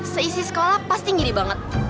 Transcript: seisi sekolah pasti ngiri banget